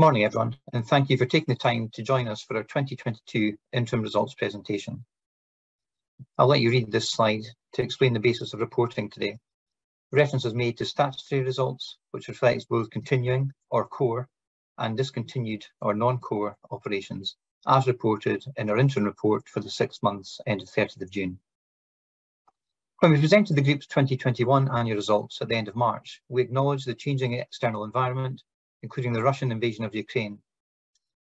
Morning, everyone, and thank you for taking the time to join us for our 2022 interim results presentation. I'll let you read this slide to explain the basis of reporting today. Reference is made to statutory results, which reflects both continuing or core and discontinued or non-core operations, as reported in our interim report for the six months ending 30th June. When we presented the group's 2021 annual results at the end of March, we acknowledged the changing external environment, including the Russian invasion of Ukraine.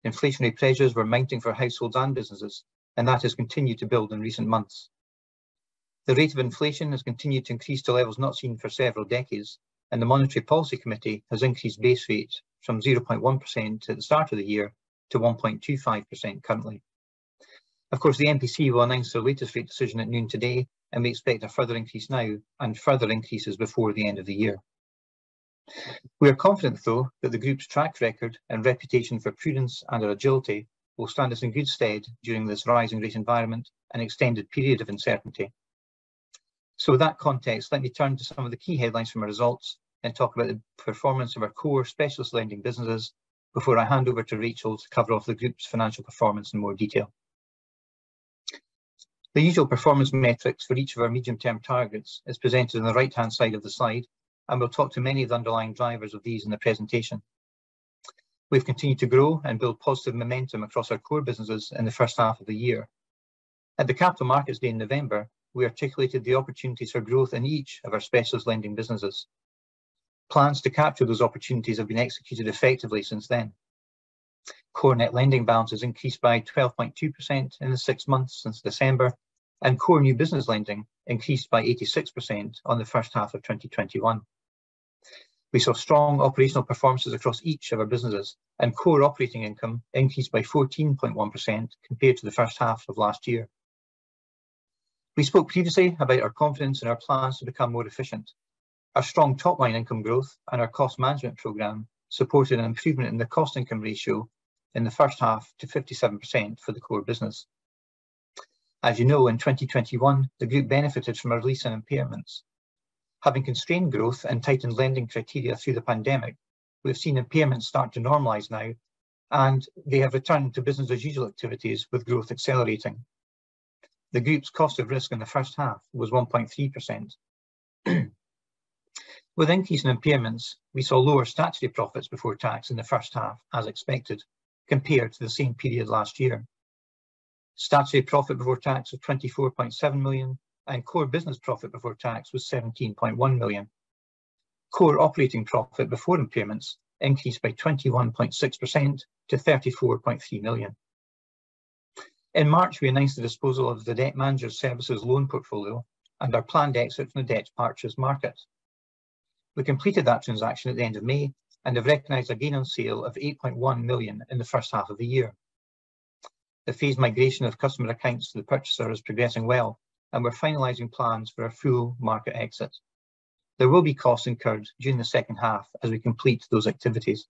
Inflationary pressures were mounting for households and businesses, and that has continued to build in recent months. The rate of inflation has continued to increase to levels not seen for several decades, and the Monetary Policy Committee has increased base rates from 0.1% at the start of the year to 1.25% currently. Of course, the MPC will announce their latest rate decision at noon today, and we expect a further increase now and further increases before the end of the year. We are confident, though, that the group's track record and reputation for prudence and our agility will stand us in good stead during this rising rate environment and extended period of uncertainty. With that context, let me turn to some of the key headlines from our results and talk about the performance of our core specialist lending businesses before I hand over to Rachel to cover off the group's financial performance in more detail. The usual performance metrics for each of our medium-term targets is presented on the right-hand side of the slide, and we'll talk to many of the underlying drivers of these in the presentation. We've continued to grow and build positive momentum across our core businesses in the first half of the year. At the Capital Markets Day in November, we articulated the opportunities for growth in each of our specialist lending businesses. Plans to capture those opportunities have been executed effectively since then. Core net lending balances increased by 12.2% in the six months since December, and core new business lending increased by 86% on the first half of 2021. We saw strong operational performances across each of our businesses, and core operating income increased by 14.1% compared to the first half of last year. We spoke previously about our confidence in our plans to become more efficient. Our strong top-line income growth and our cost management program supported an improvement in the cost income ratio in the first half to 57% for the core business. As you know, in 2021, the group benefited from a release in impairments. Having constrained growth and tightened lending criteria through the pandemic, we've seen impairments start to normalize now, and they have returned to business as usual activities with growth accelerating. The group's cost of risk in the first half was 1.3%. With increased impairments, we saw lower statutory profits before tax in the first half, as expected, compared to the same period last year. Statutory profit before tax was 24.7 million, and core business profit before tax was 17.1 million. Core operating profit before impairments increased by 21.6% to 34.3 million. In March, we announced the disposal of the Debt Managers (Services) loan portfolio and our planned exit from the debt purchase market. We completed that transaction at the end of May and have recognized a gain on sale of 8.1 million in the first half of the year. The phased migration of customer accounts to the purchaser is progressing well, and we're finalizing plans for a full market exit. There will be costs incurred during the second half as we complete those activities.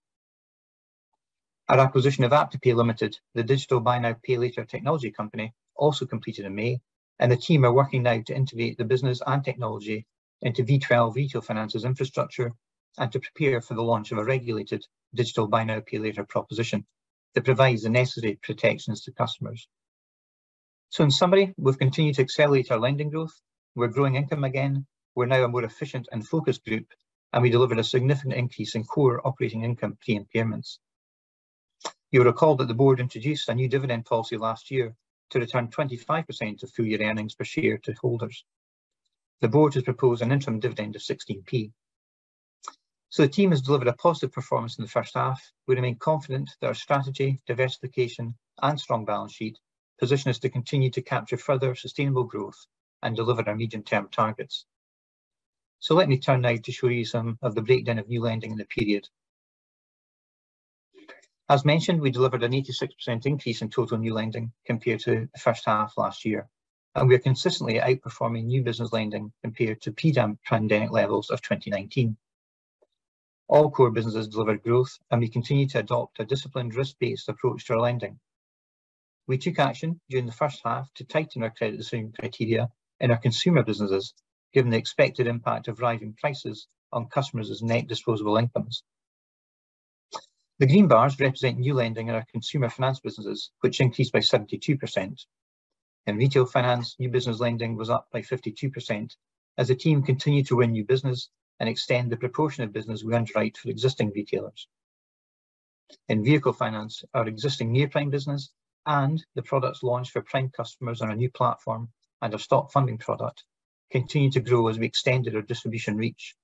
Our acquisition of AppToPay Limited, the digital buy now, pay later technology company, also completed in May, and the team are working now to integrate the business and technology into V12 Retail Finance's infrastructure and to prepare for the launch of a regulated digital buy now, pay later proposition that provides the necessary protections to customers. In summary, we've continued to accelerate our lending growth. We're growing income again. We're now a more efficient and focused group, and we delivered a significant increase in core operating income pre-impairments. You'll recall that the board introduced a new dividend policy last year to return 25% of full-year earnings per share to holders. The board has proposed an interim dividend of 0.16. The team has delivered a positive performance in the first half. We remain confident that our strategy, diversification, and strong balance sheet position us to continue to capture further sustainable growth and deliver our medium-term targets. Let me turn now to show you some of the breakdown of new lending in the period. As mentioned, we delivered an 86% increase in total new lending compared to the first half last year, and we are consistently outperforming new business lending compared to pre-pandemic levels of 2019. All core businesses delivered growth, and we continue to adopt a disciplined risk-based approach to our lending. We took action during the first half to tighten our credit scoring criteria in our consumer businesses, given the expected impact of rising prices on customers' net disposable incomes. The green bars represent new lending in our consumer finance businesses, which increased by 72%. In Retail Finance, new business lending was up by 52% as the team continued to win new business and extend the proportion of business we underwrite for existing retailers. In Vehicle Finance, our existing near prime business and the products launched for prime customers on a new platform and our stock funding product continued to grow as we extended our distribution reach.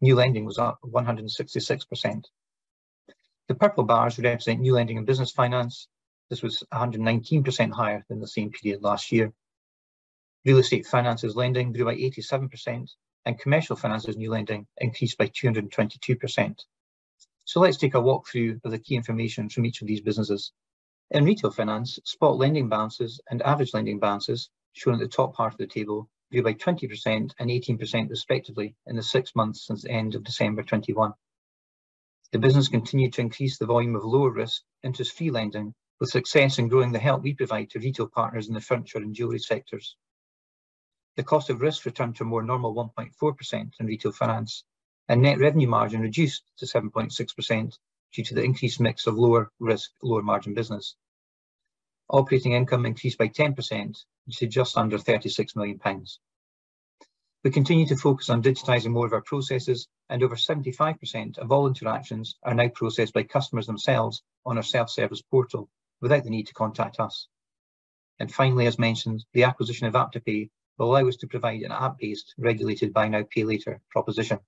New lending was up 166%. The purple bars represent new lending in business finance. This was 119% higher than the same period last year. Real Estate Finance's lending grew by 87%, and Commercial Finance's new lending increased by 222%. Let's take a walk through of the key information from each of these businesses. In retail finance, spot lending balances and average lending balances, shown in the top part of the table, grew by 20% and 18% respectively in the six months since the end of December 2021. The business continued to increase the volume of lower risk interest-free lending, with success in growing the help we provide to retail partners in the furniture and jewelry sectors. The cost of risk returned to a more normal 1.4% in retail finance, and net revenue margin reduced to 7.6% due to the increased mix of lower risk, lower margin business. Operating income increased by 10% to just under 36 million pounds. We continue to focus on digitizing more of our processes, and over 75% of all interactions are now processed by customers themselves on our self-service portal without the need to contact us. Finally, as mentioned, the acquisition of AppToPay will allow us to provide an app-based regulated buy now, pay later proposition.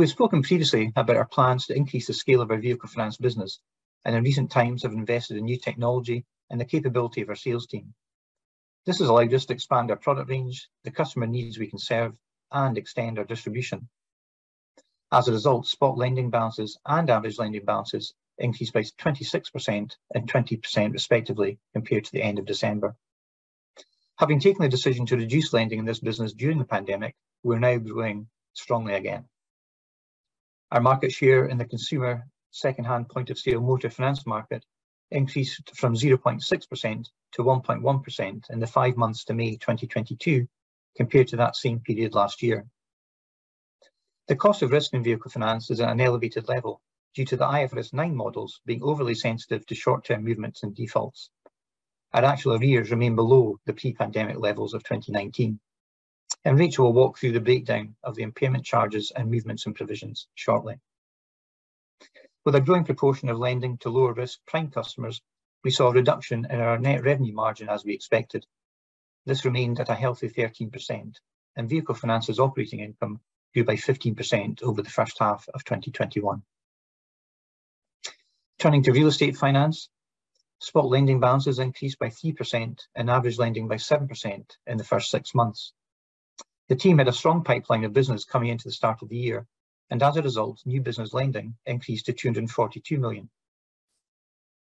We've spoken previously about our plans to increase the scale of our Vehicle Finance business, and in recent times have invested in new technology and the capability of our sales team. This has allowed us to expand our product range, the customer needs we can serve, and extend our distribution. As a result, spot lending balances and average lending balances increased by 26% and 20% respectively compared to the end of December. Having taken the decision to reduce lending in this business during the pandemic, we're now growing strongly again. Our market share in the consumer second hand point of sale motor finance market increased from 0.6% to 1.1% in the 5 months to May 2022 compared to that same period last year. The cost of risk in Vehicle Finance is at an elevated level due to the IFRS 9 models being overly sensitive to short-term movements in defaults. Our actual arrears remain below the pre-pandemic levels of 2019, and Rachel will walk through the breakdown of the impairment charges and movements and provisions shortly. With a growing proportion of lending to lower risk prime customers, we saw a reduction in our net revenue margin as we expected. This remained at a healthy 13%, and Vehicle Finance's operating income grew by 15% over the first half of 2021. Turning to Real Estate Finance, spot lending balances increased by 3% and average lending by 7% in the first six months. The team had a strong pipeline of business coming into the start of the year, and as a result, new business lending increased to 242 million.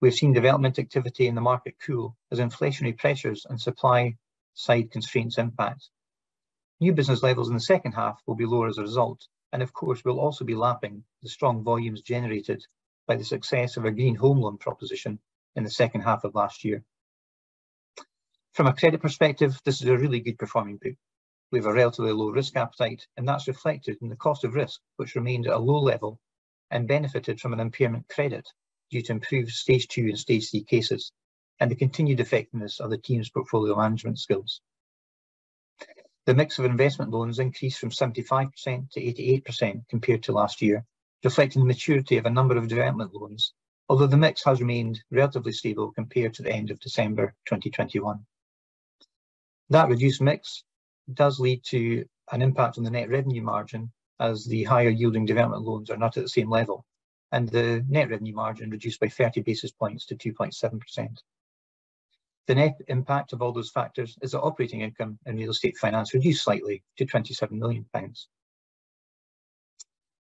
We've seen development activity in the market cool as inflationary pressures and supply side constraints impact. New business levels in the second half will be lower as a result, and of course, we'll also be lapping the strong volumes generated by the success of our Green Home Loan proposition in the second half of last year. From a credit perspective, this is a really good performing group. We've a relatively low risk appetite, and that's reflected in the cost of risk, which remained at a low level and benefited from an impairment credit due to improved stage two and stage three cases, and the continued effectiveness of the team's portfolio management skills. The mix of investment loans increased from 75% to 88% compared to last year, reflecting the maturity of a number of development loans. Although the mix has remained relatively stable compared to the end of December 2021. That reduced mix does lead to an impact on the net revenue margin as the higher yielding development loans are not at the same level, and the net revenue margin reduced by 30 basis points to 2.7%. The net impact of all those factors is that operating income in Real Estate Finance reduced slightly to 27 million pounds.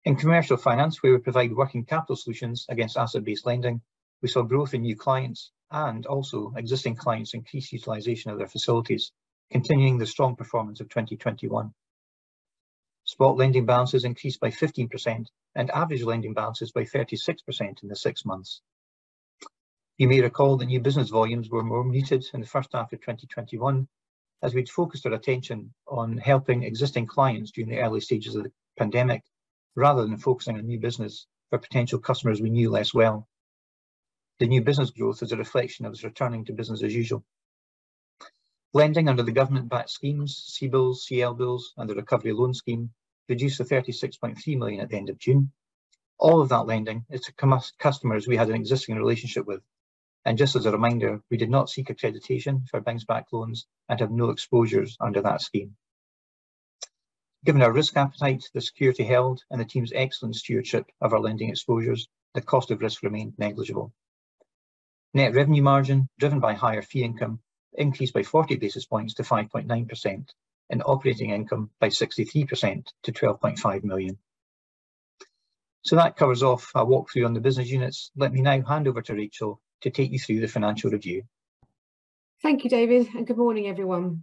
In Commercial Finance, where we provide working capital solutions against asset-based lending, we saw growth in new clients and also existing clients increase utilization of their facilities, continuing the strong performance of 2021. Spot lending balances increased by 15% and average lending balances by 36% in the six months. You may recall the new business volumes were more muted in the first half of 2021 as we'd focused our attention on helping existing clients during the early stages of the pandemic rather than focusing on new business for potential customers we knew less well. The new business growth is a reflection of us returning to business as usual. Lending under the government backed schemes, CBILS, CLBILS, and the Recovery Loan Scheme, reduced to 36.3 million at the end of June. All of that lending is to customers we had an existing relationship with. Just as a reminder, we did not seek accreditation for Bounce Back Loans and have no exposures under that scheme. Given our risk appetite, the security held, and the team's excellent stewardship of our lending exposures, the cost of risk remained negligible. Net revenue margin, driven by higher fee income, increased by 40 basis points to 5.9% and operating income by 63% to 12.5 million. That covers off our walkthrough on the business units. Let me now hand over to Rachel to take you through the financial review. Thank you, David, and good morning, everyone.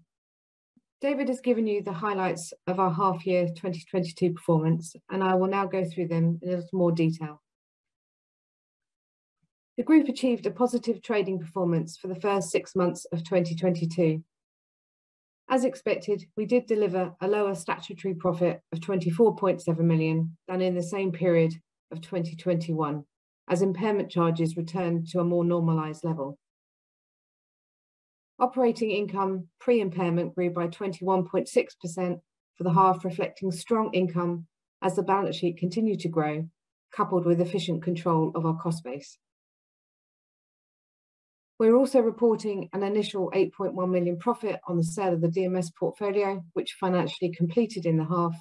David has given you the highlights of our half year 2022 performance, and I will now go through them in a little more detail. The group achieved a positive trading performance for the first six months of 2022. As expected, we did deliver a lower statutory profit of 24.7 million than in the same period of 2021 as impairment charges returned to a more normalized level. Operating income pre-impairment grew by 21.6% for the half, reflecting strong income as the balance sheet continued to grow, coupled with efficient control of our cost base. We're also reporting an initial 8.1 million profit on the sale of the DMS portfolio, which financially completed in the half,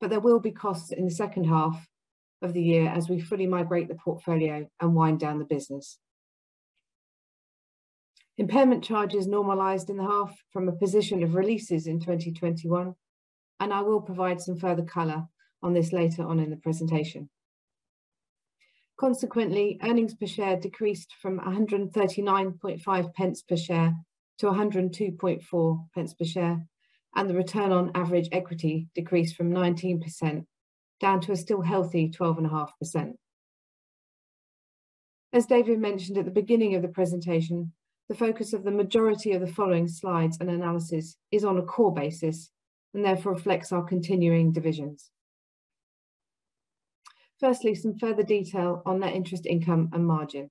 but there will be costs in the second half of the year as we fully migrate the portfolio and wind down the business. Impairment charges normalized in the half from a position of releases in 2021, and I will provide some further color on this later on in the presentation. Consequently, earnings per share decreased from 139.5 pence per share to 102.4 pence per share, and the return on average equity decreased from 19% down to a still healthy 12.5%. As David mentioned at the beginning of the presentation, the focus of the majority of the following slides and analysis is on a core basis and therefore reflects our continuing divisions. Firstly, some further detail on net interest income and margin.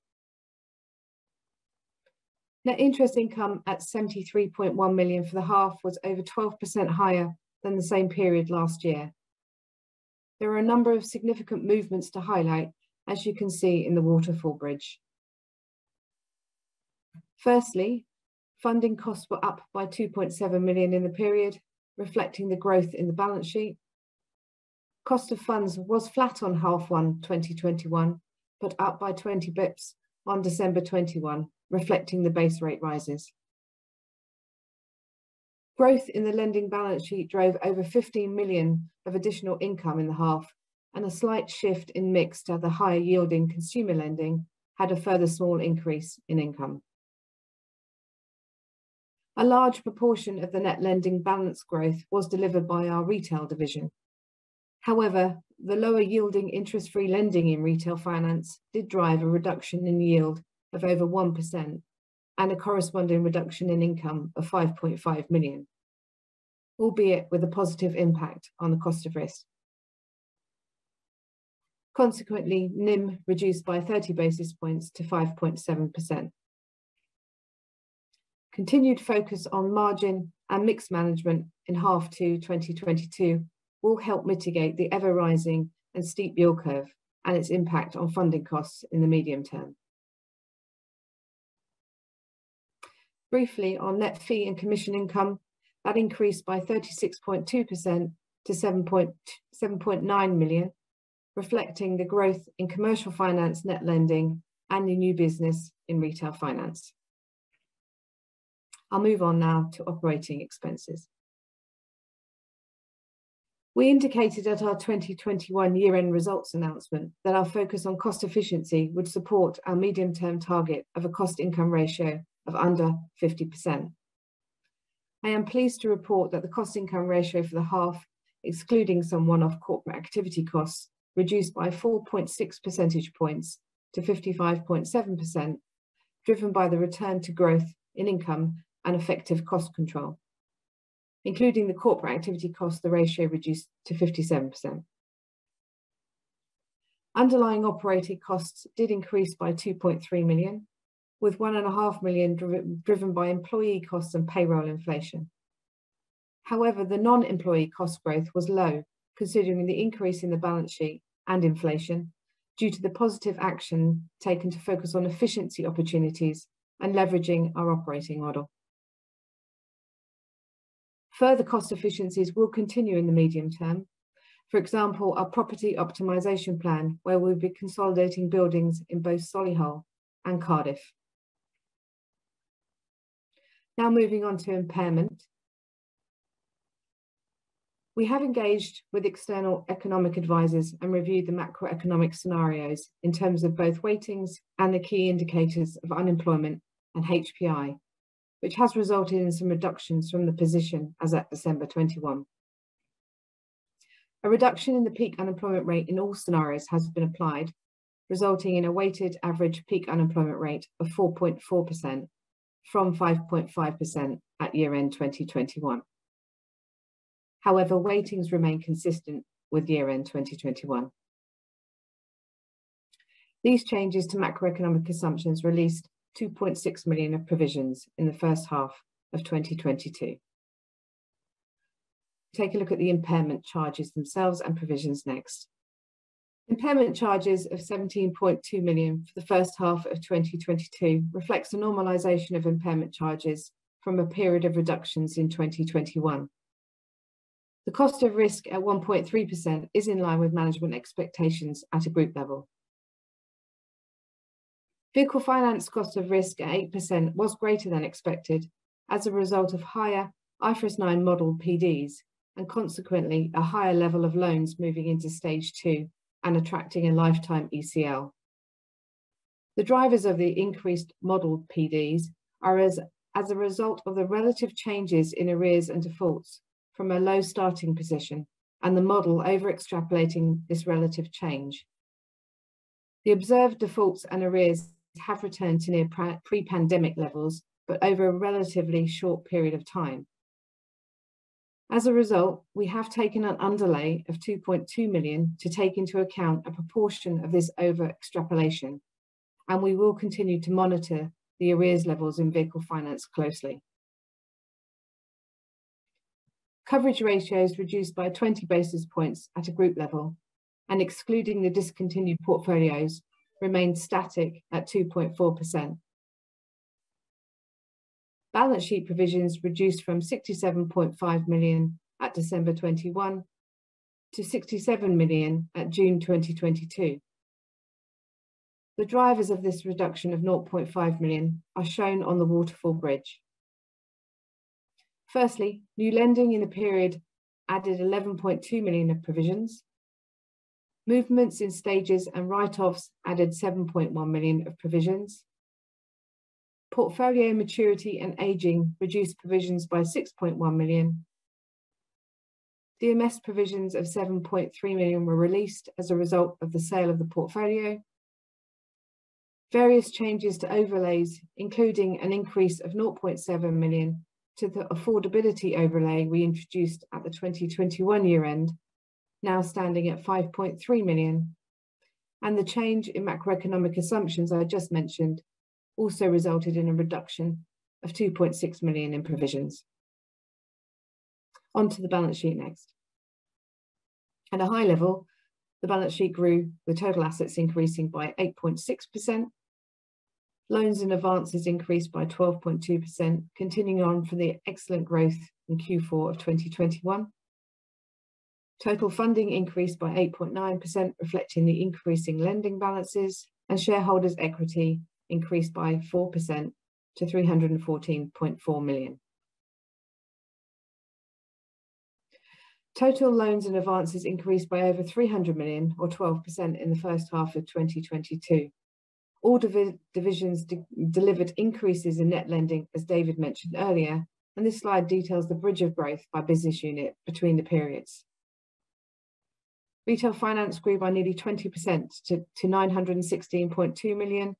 Net interest income at 73.1 million for the half was over 12% higher than the same period last year. There are a number of significant movements to highlight, as you can see in the waterfall bridge. Firstly, funding costs were up by 2.7 million in the period, reflecting the growth in the balance sheet. Cost of funds was flat on H1 2021, but up by 20 basis points on December 2021, reflecting the base rate rises. Growth in the lending balance sheet drove over 15 million of additional income in the half, and a slight shift in mix to the higher yielding consumer lending had a further small increase in income. A large proportion of the net lending balance growth was delivered by our retail division. However, the lower yielding interest-free lending in Retail Finance did drive a reduction in yield of over 1% and a corresponding reduction in income of 5.5 million, albeit with a positive impact on the cost of risk. Consequently, NIM reduced by 30 basis points to 5.7%. Continued focus on margin and mix management in H2 2022 will help mitigate the ever-rising and steep yield curve and its impact on funding costs in the medium term. Briefly on net fee and commission income, that increased by 36.2% to 7.9 million, reflecting the growth in Commercial Finance net lending and the new business in Retail Finance. I'll move on now to operating expenses. We indicated at our 2021 year-end results announcement that our focus on cost efficiency would support our medium-term target of a cost income ratio of under 50%. I am pleased to report that the cost income ratio for the half, excluding some one-off corporate activity costs, reduced by 4.6 percentage points to 55.7%, driven by the return to growth in income and effective cost control. Including the corporate activity cost, the ratio reduced to 57%. Underlying operating costs did increase by 2.3 million, with 1.5 million driven by employee costs and payroll inflation. However, the non-employee cost growth was low, considering the increase in the balance sheet and inflation due to the positive action taken to focus on efficiency opportunities and leveraging our operating model. Further cost efficiencies will continue in the medium term. For example, our property optimization plan, where we'll be consolidating buildings in both Solihull and Cardiff. Now moving on to impairment. We have engaged with external economic advisors and reviewed the macroeconomic scenarios in terms of both weightings and the key indicators of unemployment and HPI, which has resulted in some reductions from the position as at December 2021. A reduction in the peak unemployment rate in all scenarios has been applied, resulting in a weighted average peak unemployment rate of 4.4% from 5.5% at year-end 2021. However, weightings remain consistent with year-end 2021. These changes to macroeconomic assumptions released 2.6 million of provisions in the first half of 2022. Take a look at the impairment charges themselves and provisions next. Impairment charges of 17.2 million for the first half of 2022 reflects the normalization of impairment charges from a period of reductions in 2021. The cost of risk at 1.3% is in line with management expectations at a group level. Vehicle finance cost of risk at 8% was greater than expected as a result of higher IFRS 9 model PDs and consequently a higher level of loans moving into stage two and attracting a lifetime ECL. The drivers of the increased model PDs are a result of the relative changes in arrears and defaults from a low starting position and the model over-extrapolating this relative change. The observed defaults and arrears have returned to near pre-pandemic levels, but over a relatively short period of time. As a result, we have taken an underlay of 2.2 million to take into account a proportion of this over-extrapolation, and we will continue to monitor the arrears levels in vehicle finance closely. Coverage ratios reduced by 20 basis points at a group level, and excluding the discontinued portfolios, remained static at 2.4%. Balance sheet provisions reduced from 67.5 million at December 2021 to 67 million at June 2022. The drivers of this reduction of 0.5 million are shown on the waterfall bridge. Firstly, new lending in the period added 11.2 million of provisions. Movements in stages and write-offs added 7.1 million of provisions. Portfolio maturity and aging reduced provisions by 6.1 million. DMS provisions of 7.3 million were released as a result of the sale of the portfolio. Various changes to overlays, including an increase of 0.7 million to the affordability overlay we introduced at the 2021 year-end, now standing at 5.3 million. The change in macroeconomic assumptions I just mentioned also resulted in a reduction of 2.6 million in provisions. On to the balance sheet next. At a high level, the balance sheet grew, with total assets increasing by 8.6%. Loans and advances increased by 12.2%, continuing on from the excellent growth in Q4 of 2021. Total funding increased by 8.9%, reflecting the increasing lending balances, and shareholders equity increased by 4% to 314.4 million. Total loans and advances increased by over 300 million or 12% in the first half of 2022. All divisions delivered increases in net lending, as David mentioned earlier, and this slide details the bridge of growth by business unit between the periods. Retail Finance grew by nearly 20% to 916.2 million,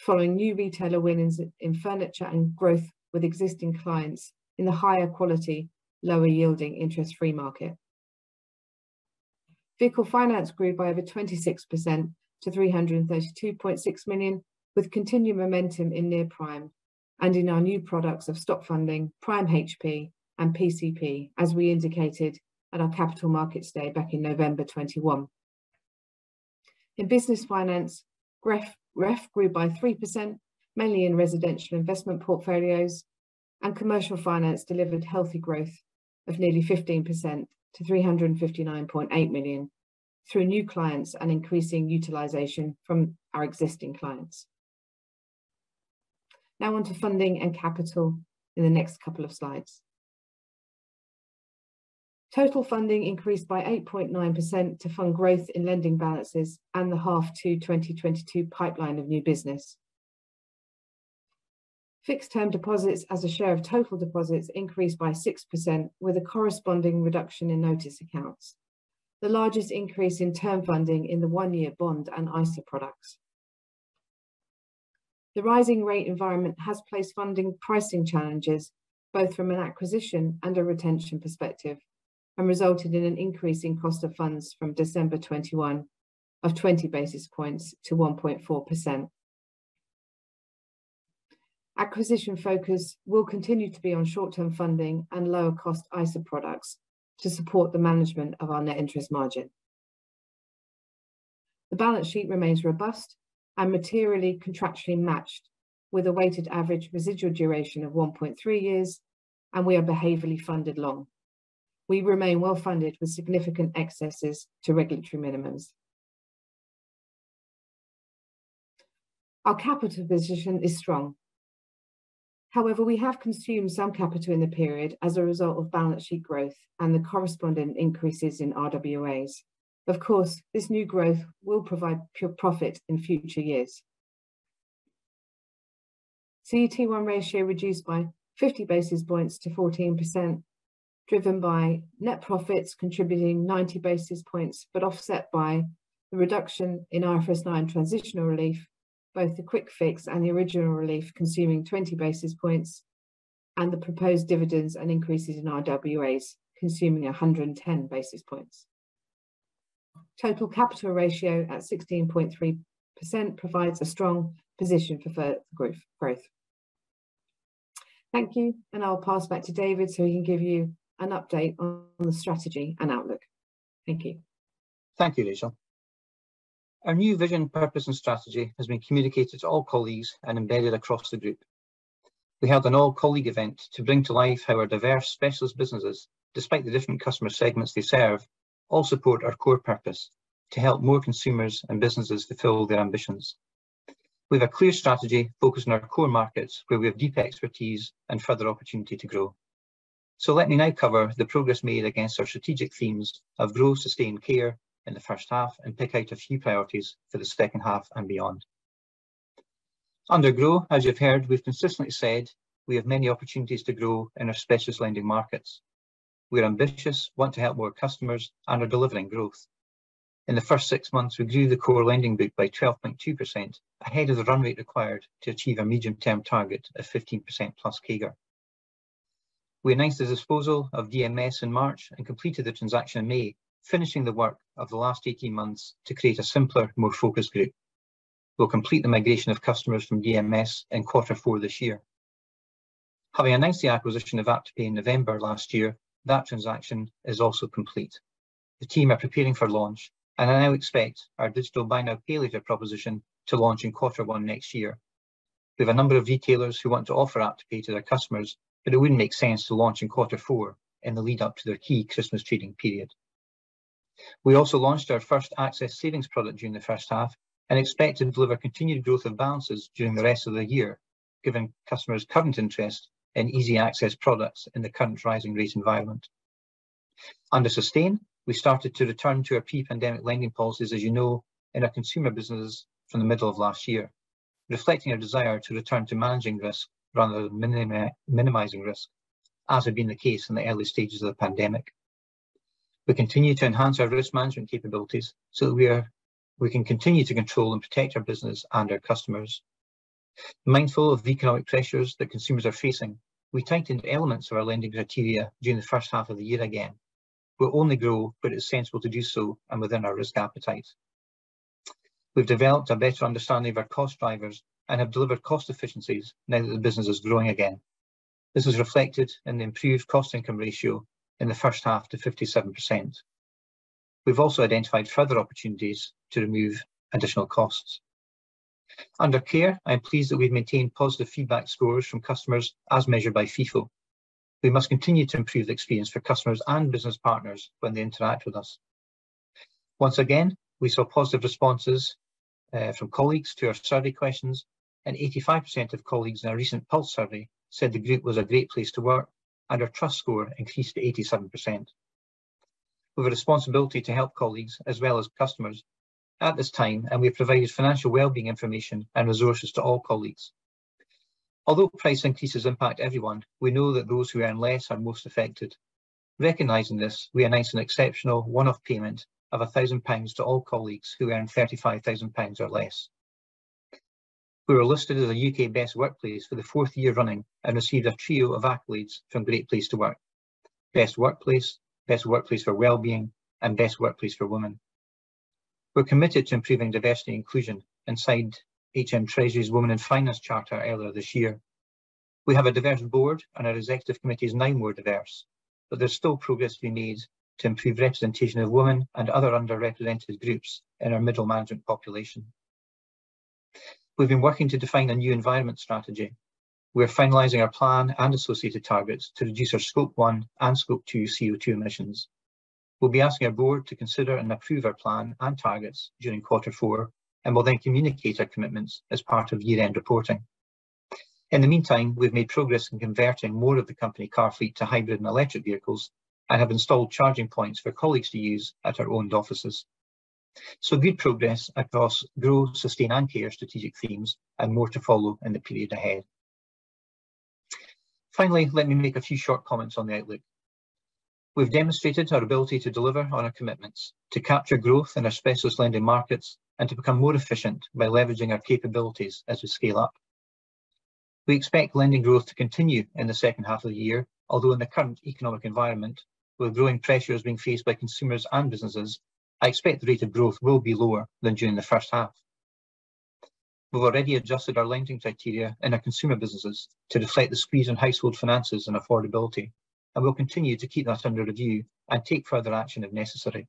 following new retailer wins in furniture and growth with existing clients in the higher quality, lower yielding interest-free market. Vehicle Finance grew by over 26% to 332.6 million, with continued momentum in near prime and in our new products of stock funding, Prime HP and PCP, as we indicated at our Capital Markets Day back in November 2021. In business finance, REF grew by 3%, mainly in residential investment portfolios, and Commercial Finance delivered healthy growth of nearly 15% to 359.8 million through new clients and increasing utilization from our existing clients. Now on to funding and capital in the next couple of slides. Total funding increased by 8.9% to fund growth in lending balances and the H2 2022 pipeline of new business. Fixed term deposits as a share of total deposits increased by 6% with a corresponding reduction in notice accounts. The largest increase in term funding in the one-year bond and ISA products. The rising rate environment has placed funding pricing challenges, both from an acquisition and a retention perspective, and resulted in an increase in cost of funds from December 2021 of 20 basis points to 1.4%. Acquisition focus will continue to be on short-term funding and lower cost ISA products to support the management of our net interest margin. The balance sheet remains robust and materially contractually matched with a weighted average residual duration of 1.3 years, and we are behaviorally funded long. We remain well-funded with significant excesses to regulatory minimums. Our capital position is strong. However, we have consumed some capital in the period as a result of balance sheet growth and the corresponding increases in RWAs. Of course, this new growth will provide pure profit in future years. CET1 ratio reduced by 50 basis points to 14%, driven by net profits contributing 90 basis points, but offset by the reduction in IFRS 9 transitional relief, both the quick fix and the original relief consuming 20 basis points and the proposed dividends and increases in RWAs consuming 110 basis points. Total capital ratio at 16.3% provides a strong position for growth. Thank you, and I'll pass back to David so he can give you an update on the strategy and outlook. Thank you. Thank you, Rachel. Our new vision, purpose and strategy has been communicated to all colleagues and embedded across the group. We held an all-colleague event to bring to life our diverse specialist businesses. Despite the different customer segments they serve, all support our core purpose, to help more consumers and businesses fulfill their ambitions. We have a clear strategy focused on our core markets, where we have deep expertise and further opportunity to grow. Let me now cover the progress made against our strategic themes of grow, sustain, care in the first half and pick out a few priorities for the second half and beyond. Under grow, as you've heard, we've consistently said we have many opportunities to grow in our specialist lending markets. We are ambitious, want to help more customers, and are delivering growth. In the first 6 months, we grew the core lending book by 12.2%, ahead of the run rate required to achieve a medium-term target of 15%+ CAGR. We announced the disposal of DMS in March and completed the transaction in May, finishing the work of the last 18 months to create a simpler, more focused group. We'll complete the migration of customers from DMS in quarter four this year. Having announced the acquisition of AppToPay in November last year, that transaction is also complete. The team are preparing for launch, and I now expect our digital buy now, pay later proposition to launch in quarter one next year. We have a number of retailers who want to offer AppToPay to their customers, but it wouldn't make sense to launch in quarter four in the lead up to their key Christmas trading period. We also launched our first access savings product during the first half and expect to deliver continued growth of balances during the rest of the year, given customers' current interest in easy access products in the current rising rate environment. Under sustain, we started to return to our pre-pandemic lending policies, as you know, in our consumer businesses from the middle of last year, reflecting a desire to return to managing risk rather than minimizing risk, as had been the case in the early stages of the pandemic. We continue to enhance our risk management capabilities so that we can continue to control and protect our business and our customers. Mindful of the economic pressures that consumers are facing, we tightened elements of our lending criteria during the first half of the year again. We'll only grow when it's sensible to do so and within our risk appetite. We've developed a better understanding of our cost drivers and have delivered cost efficiencies now that the business is growing again. This is reflected in the improved cost income ratio in the first half to 57%. We've also identified further opportunities to remove additional costs. Under care, I am pleased that we've maintained positive feedback scores from customers as measured by Feefo. We must continue to improve the experience for customers and business partners when they interact with us. Once again, we saw positive responses from colleagues to our survey questions, and 85% of colleagues in our recent pulse survey said the group was a great place to work and our trust score increased to 87%. We've a responsibility to help colleagues as well as customers at this time, and we have provided financial well-being information and resources to all colleagues. Although price increases impact everyone, we know that those who earn less are most affected. Recognizing this, we announced an exceptional one-off payment of 1,000 pounds to all colleagues who earn 35,000 pounds or less. We were listed as a UK Best Workplace for the fourth year running and received a trio of accolades from Great Place to Work, Best Workplace, Best Workplace for Wellbeing, and Best Workplace for Women. We're committed to improving diversity and inclusion and signed HM Treasury's Women in Finance Charter earlier this year. We have a diverse board, and our executive committee is now more diverse, but there's still progress we need to make to improve representation of women and other underrepresented groups in our middle management population. We've been working to define a new environmental strategy. We're finalizing our plan and associated targets to reduce our Scope 1 and Scope 2 CO2 emissions. We'll be asking our board to consider and approve our plan and targets during quarter four and will then communicate our commitments as part of year-end reporting. In the meantime, we've made progress in converting more of the company car fleet to hybrid and electric vehicles and have installed charging points for colleagues to use at our owned offices. Good progress across growth, sustain, and care strategic themes and more to follow in the period ahead. Finally, let me make a few short comments on the outlook. We've demonstrated our ability to deliver on our commitments to capture growth in our specialist lending markets and to become more efficient by leveraging our capabilities as we scale up. We expect lending growth to continue in the second half of the year, although in the current economic environment, with growing pressures being faced by consumers and businesses, I expect the rate of growth will be lower than during the first half. We've already adjusted our lending criteria in our consumer businesses to reflect the squeeze on household finances and affordability, and we'll continue to keep that under review and take further action if necessary.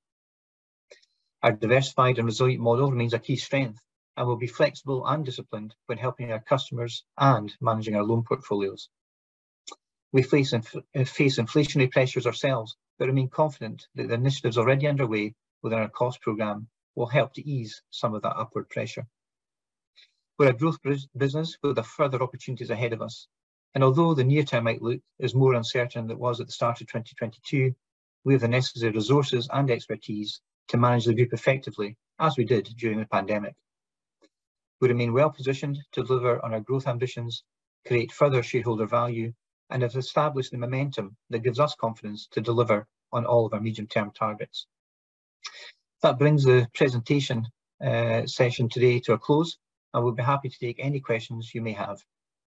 Our diversified and resilient model remains a key strength, and we'll be flexible and disciplined when helping our customers and managing our loan portfolios. We face inflationary pressures ourselves, but remain confident that the initiatives already underway within our cost program will help to ease some of that upward pressure. We're a growth business with further opportunities ahead of us, and although the near-term outlook is more uncertain than it was at the start of 2022, we have the necessary resources and expertise to manage the group effectively, as we did during the pandemic. We remain well positioned to deliver on our growth ambitions, create further shareholder value, and have established the momentum that gives us confidence to deliver on all of our medium term targets. That brings the presentation session today to a close, and we'll be happy to take any questions you may have.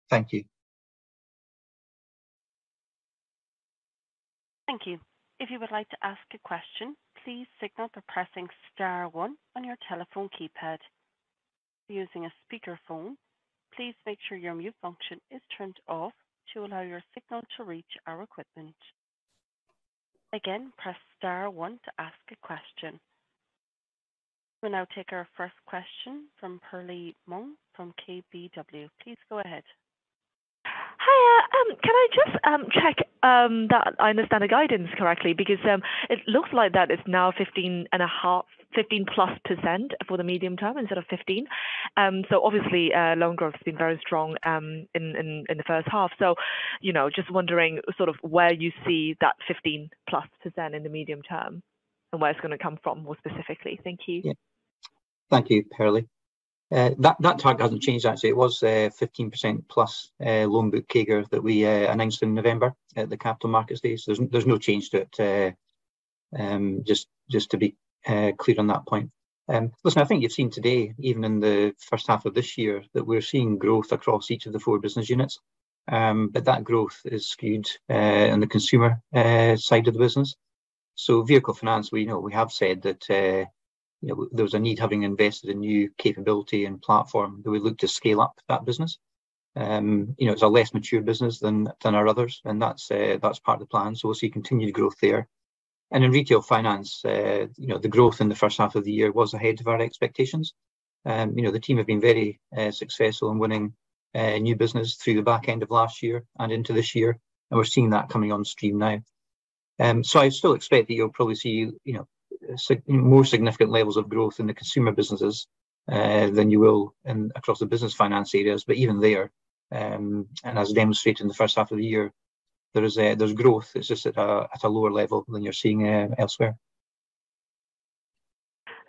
Thank you. Thank you. If you would like to ask a question, please signal by pressing star one on your telephone keypad. If you're using a speakerphone, please make sure your mute function is turned off to allow your signal to reach our equipment. Again, press star one to ask a question. We'll now take our first question from Purlie Mong from KBW. Please go ahead. Hi, can I just check that I understand the guidance correctly? Because it looks like that it's now 15%+ for the medium term instead of 15. Obviously, loan growth has been very strong in the first half. You know, just wondering sort of where you see that 15%+ in the medium term and where it's going to come from more specifically. Thank you. Yeah. Thank you, Purlie. That target hasn't changed, actually. It was 15%+ loan book CAGR that we announced in November at the Capital Markets Day, so there's no change to it, just to be clear on that point. Listen, I think you've seen today, even in the first half of this year, that we're seeing growth across each of the four business units, but that growth is skewed in the consumer side of the business. Vehicle Finance, we know, we have said that, you know, there was a need, having invested in new capability and platform, that we look to scale up that business. You know, it's a less mature business than our others, and that's part of the plan. We'll see continued growth there. In Retail Finance, you know, the growth in the first half of the year was ahead of our expectations. You know, the team have been very successful in winning new business through the back end of last year and into this year, and we're seeing that coming on stream now. I still expect that you'll probably see, you know, more significant levels of growth in the consumer businesses than you will across the business finance areas. Even there, and as demonstrated in the first half of the year, there's growth, it's just at a lower level than you're seeing elsewhere.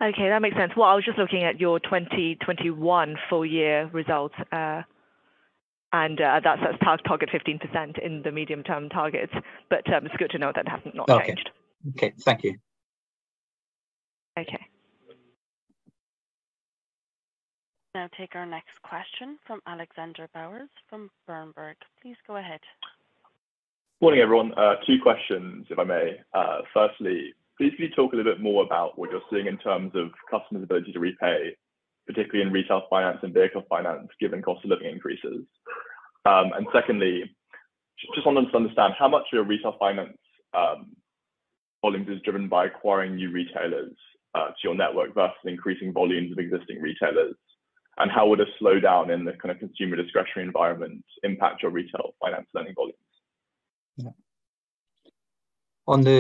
Okay, that makes sense. Well, I was just looking at your 2021 full year results, and that's past target 15% in the medium-term targets. It's good to know that has not changed. Okay, thank you. Okay. Now take our next question from Alexander Bowers from Berenberg. Please go ahead. Morning, everyone. Two questions, if I may. Firstly, please can you talk a little bit more about what you're seeing in terms of customers' ability to repay, particularly in Retail Finance and Vehicle Finance, given cost of living increases. And secondly, just wanted to understand how much of your Retail Finance volumes is driven by acquiring new retailers to your network versus increasing volumes of existing retailers? How would a slowdown in the kind of consumer discretionary environment impact your Retail Finance lending volumes? Yeah.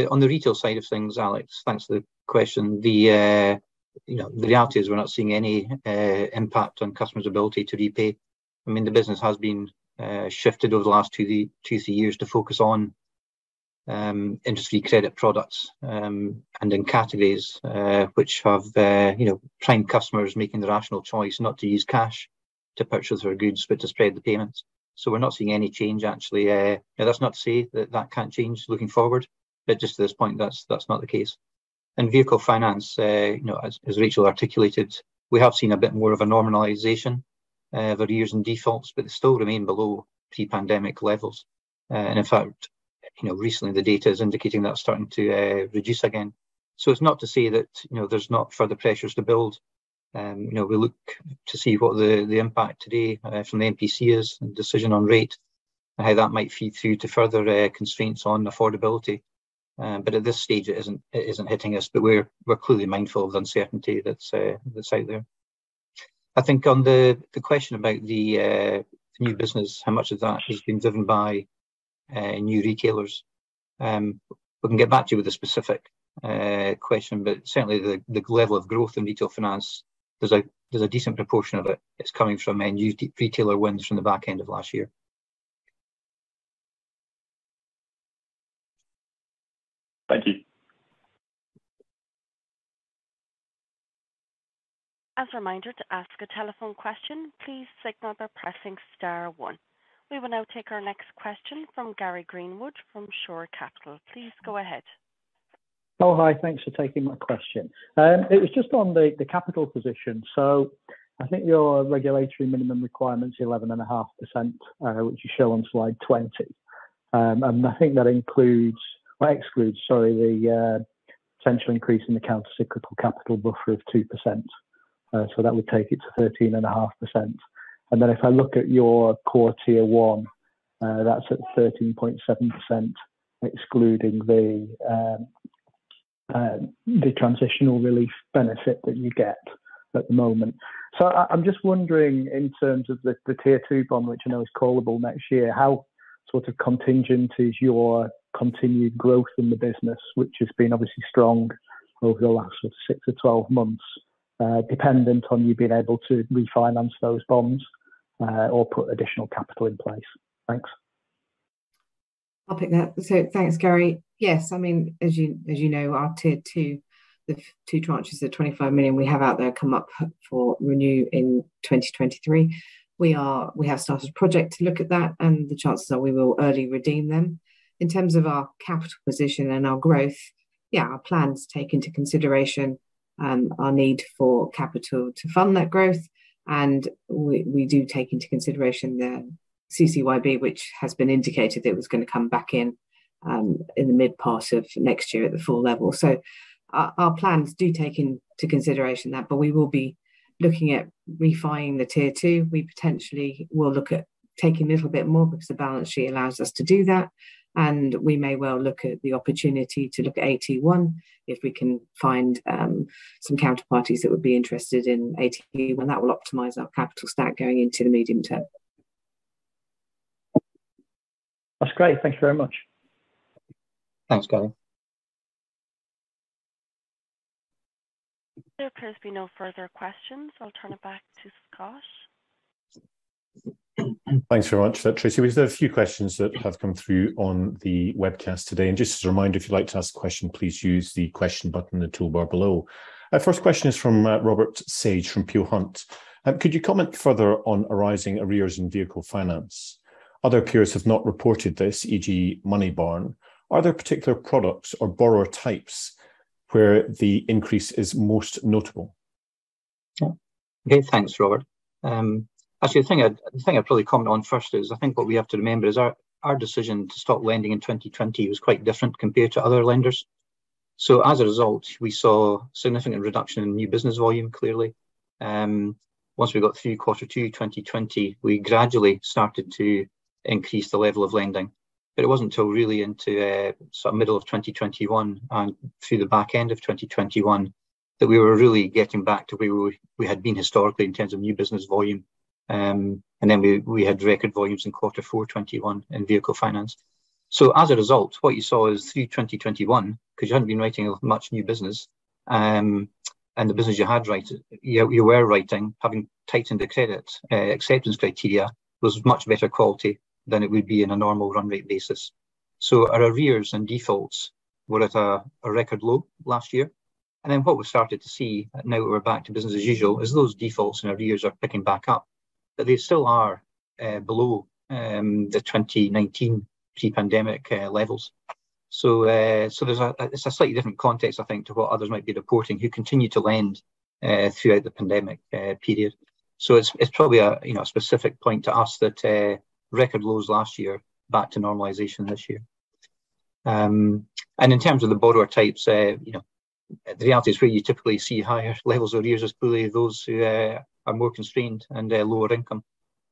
On the retail side of things, Alex, thanks for the question. The reality is we're not seeing any impact on customers' ability to repay. I mean, the business has been shifted over the last 2 to 3 years to focus on industry credit products and in categories which have, you know, prime customers making the rational choice not to use cash to purchase their goods, but to spread the payments. We're not seeing any change, actually. Now, that's not to say that that can't change looking forward, but just at this point, that's not the case. In vehicle finance, you know, as Rachel articulated, we have seen a bit more of a normalization of arrears and defaults, but they still remain below pre-pandemic levels. In fact, you know, recently the data is indicating that's starting to reduce again. It's not to say that, you know, there's not further pressures to build. You know, we look to see what the impact today from the MPC is and decision on rate, and how that might feed through to further constraints on affordability. At this stage, it isn't hitting us. We're clearly mindful of the uncertainty that's out there. I think on the question about the new business, how much of that is being driven by new retailers, we can get back to you with a specific question. Certainly the level of growth in Retail Finance, there's a decent proportion of it that's coming from new retailer wins from the back end of last year. Thank you. As a reminder, to ask a telephone question, please signal by pressing star one. We will now take our next question from Gary Greenwood from Shore Capital. Please go ahead. Hi. Thanks for taking my question. It was just on the capital position. I think your regulatory minimum requirement is 11.5%, which you show on slide 20. I think that includes or excludes, sorry, the potential increase in the countercyclical capital buffer of 2%. That would take it to 13.5%. If I look at your core Tier 1, that's at 13.7% excluding the transitional relief benefit that you get at the moment. I'm just wondering, in terms of the Tier 2 bond, which I know is callable next year, how sort of contingent is your continued growth in the business, which has been obviously strong over the last sort of 6-12 months, dependent on you being able to refinance those bonds, or put additional capital in place? Thanks. I'll pick that up. Thanks, Gary. Yes. I mean, as you know, our Tier 2, the two tranches of 25 million we have out there come up for renew in 2023. We have started a project to look at that, and the chances are we will early redeem them. In terms of our capital position and our growth, yeah, our plans take into consideration our need for capital to fund that growth, and we do take into consideration the CCyB, which has been indicated that it was gonna come back in in the mid part of next year at the full level. Our plans do take into consideration that, but we will be looking at refining the Tier 2. We potentially will look at taking a little bit more because the balance sheet allows us to do that, and we may well look at the opportunity to look at AT1 if we can find some counterparties that would be interested in AT1. That will optimize our capital stack going into the medium term. That's great. Thank you very much. Thanks, Gary. There appears to be no further questions. I'll turn it back to Scott. Thanks very much, Tracy. We just have a few questions that have come through on the webcast today. Just as a reminder, if you'd like to ask a question, please use the question button in the toolbar below. Our first question is from Robert Sage from Peel Hunt. Could you comment further on arising arrears in Vehicle Finance? Other peers have not reported this, e.g. Moneybarn. Are there particular products or borrower types where the increase is most notable? Sure. Okay, thanks, Robert. Actually, the thing I'd probably comment on first is, I think what we have to remember is our decision to stop lending in 2020 was quite different compared to other lenders. As a result, we saw a significant reduction in new business volume, clearly. Once we got through quarter two 2020, we gradually started to increase the level of lending. It wasn't 'til really into, sort of middle of 2021 and through the back end of 2021 that we were really getting back to where we had been historically in terms of new business volume. We had record volumes in quarter four 2021 in Vehicle Finance. As a result, what you saw is through 2021, 'cause you hadn't been writing much new business, and the business you had written, you were writing, having tightened the credit acceptance criteria, was much better quality than it would be in a normal run rate basis. Our arrears and defaults were at a record low last year. What we started to see, now that we're back to business as usual, is those defaults and arrears are picking back up, but they still are below the 2019 pre-pandemic levels. It's a slightly different context, I think, to what others might be reporting, who continued to lend throughout the pandemic period. It's probably a you know a specific point to us that record lows last year, back to normalization this year. In terms of the borrower types, you know, the reality is where you typically see higher levels of arrears is clearly those who are more constrained and lower income,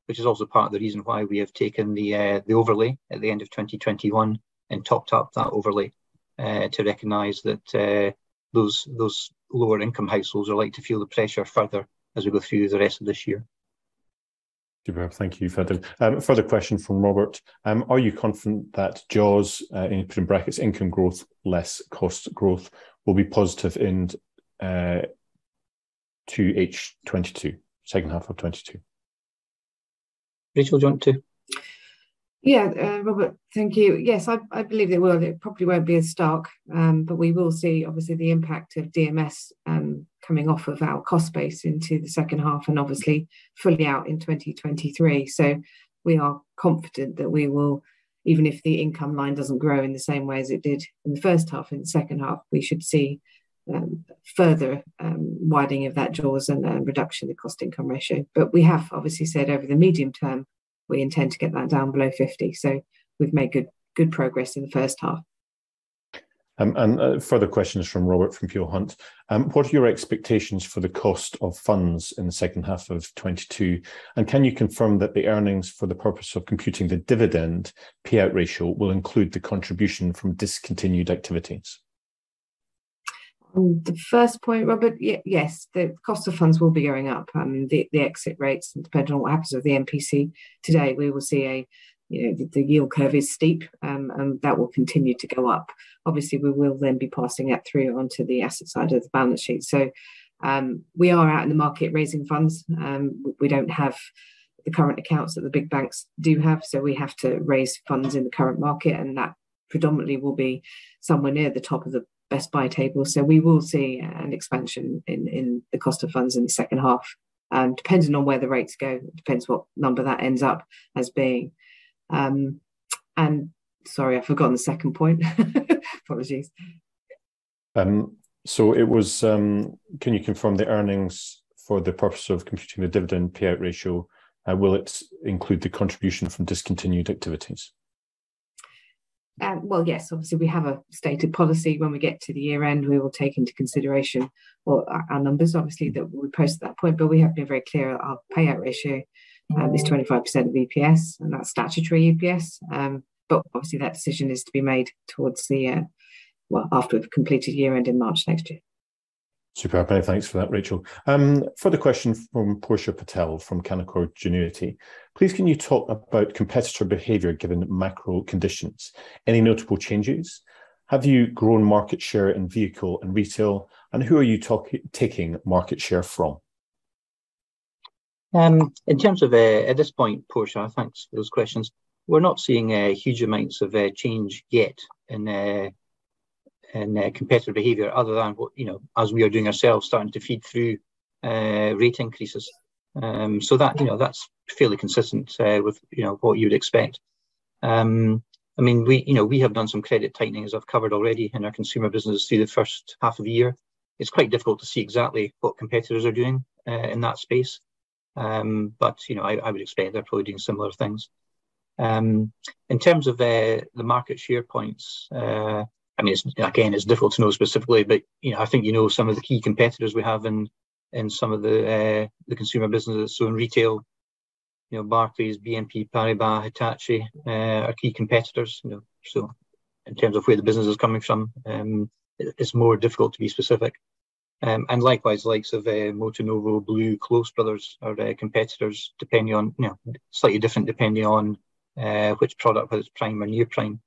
which is also part of the reason why we have taken the overlay at the end of 2021 and topped up that overlay to recognize that those lower income households are likely to feel the pressure further as we go through the rest of this year. Superb. Thank you, Frederick. Further question from Robert. Are you confident that JAWS, in brackets income growth less cost growth, will be positive in 2H 2022, second half of 2022? Rachel, do you want to? Yeah. Robert, thank you. Yes, I believe it will. It probably won't be as stark. We will see obviously the impact of DMS coming off of our cost base into the second half, and obviously fully out in 2023. We are confident that we will, even if the income line doesn't grow in the same way as it did in the first half, in the second half we should see further widening of that JAWS and a reduction in the cost income ratio. We have obviously said over the medium term we intend to get that down below 50%, so we've made good progress in the first half. further questions from Robert from Peel Hunt. What are your expectations for the cost of funds in the second half of 2022, and can you confirm that the earnings for the purpose of computing the dividend payout ratio will include the contribution from discontinued activities? The first point, Robert, yes. The cost of funds will be going up. The exit rates, depending on what happens with the MPC today, we will see, you know, the yield curve is steep, and that will continue to go up. Obviously we will then be passing that through onto the asset side of the balance sheet. We are out in the market raising funds. We don't have the current accounts that the big banks do have, so we have to raise funds in the current market, and that predominantly will be somewhere near the top of the best buy table. We will see an expansion in the cost of funds in the second half, depending on where the rates go. Depends what number that ends up as being. Sorry, I've forgotten the second point. Apologies. Can you confirm the earnings for the purpose of computing the dividend payout ratio, will it include the contribution from discontinued activities? Yes. Obviously we have a stated policy. When we get to the year-end, we will take into consideration what our numbers obviously that we post at that point. We have been very clear that our payout ratio is 25% of EPS, and that's statutory EPS. Obviously that decision is to be made after we've completed year-end in March next year. Superb. Now, thanks for that, Rachel. Further question from Portia Patel from Canaccord Genuity. Please, can you talk about competitor behavior given macro conditions? Any notable changes? Have you grown market share in vehicle and retail, and who are you taking market share from? In terms of at this point, Portia, thanks for those questions. We're not seeing huge amounts of change yet in competitor behavior other than what, you know, as we are doing ourselves, starting to feed through rate increases. That, you know, that's fairly consistent with, you know, what you would expect. I mean, you know, we have done some credit tightening, as I've covered already in our consumer business through the first half of the year. It's quite difficult to see exactly what competitors are doing in that space. You know, I would expect they're probably doing similar things. In terms of the market share points, I mean, it's again it's difficult to know specifically, but you know I think you know some of the key competitors we have in some of the consumer businesses. In retail, you know, Barclays, BNP Paribas, Hitachi are key competitors, you know. In terms of where the business is coming from, it's more difficult to be specific. Likewise, likes of MotoNovo, Blue, Close Brothers are competitors depending on you know slightly different depending on which product, whether it's prime or near prime.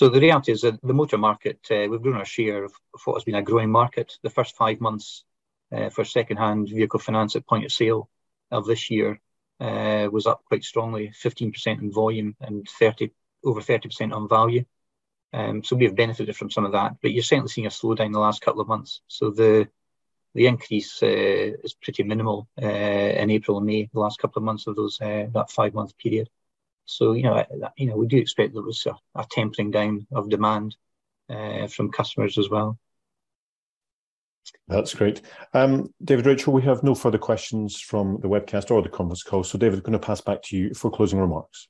The reality is that the motor market we've grown our share of what has been a growing market. The first five months for secondhand vehicle finance at point of sale of this year was up quite strongly, 15% in volume and over 30% on value. We have benefited from some of that, but you're certainly seeing a slowdown the last couple of months. The increase is pretty minimal in April and May, the last couple of months of that five-month period. You know, you know, we do expect there was a tempering down of demand from customers as well. That's great. David, Rachel, we have no further questions from the webcast or the conference call. David, I'm gonna pass back to you for closing remarks.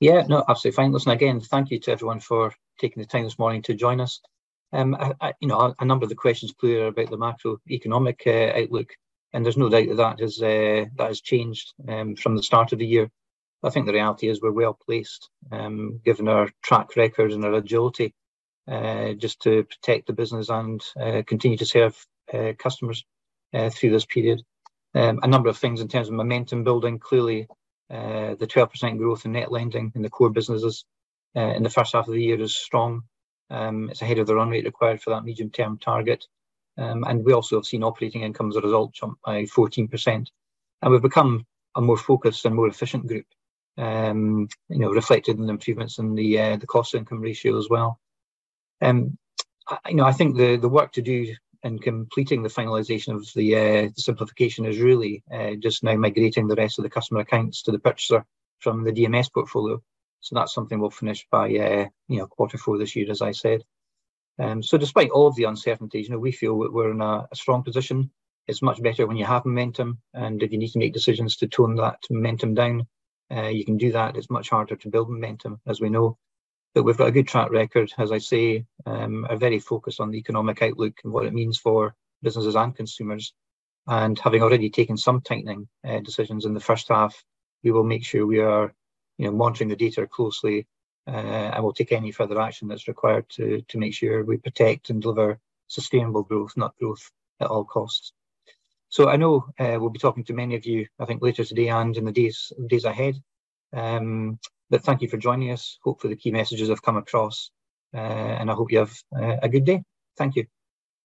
Yeah, no, absolutely fine. Listen, again, thank you to everyone for taking the time this morning to join us. You know, a number of the questions clearly are about the macroeconomic outlook, and there's no doubt that has changed from the start of the year. I think the reality is we're well placed, given our track record and our agility, just to protect the business and continue to serve customers through this period. A number of things in terms of momentum building. Clearly, the 12% growth in net lending in the core businesses in the first half of the year is strong. It's ahead of the run rate required for that medium-term target. We also have seen operating income as a result jump by 14%. We've become a more focused and more efficient group, you know, reflected in the improvements in the cost income ratio as well. I know. I think the work to do in completing the finalization of the simplification is really just now migrating the rest of the customer accounts to the purchaser from the DMS portfolio. That's something we'll finish by, you know, quarter four this year, as I said. Despite all of the uncertainties, you know, we feel that we're in a strong position. It's much better when you have momentum, and if you need to make decisions to tone that momentum down, you can do that. It's much harder to build momentum, as we know. We've got a good track record, as I say. We are very focused on the economic outlook and what it means for businesses and consumers. Having already taken some tightening decisions in the first half, we will make sure we are, you know, monitoring the data closely, and will take any further action that's required to make sure we protect and deliver sustainable growth, not growth at all costs. I know we'll be talking to many of you, I think, later today and in the days ahead. Thank you for joining us. Hopefully the key messages have come across. I hope you have a good day. Thank you.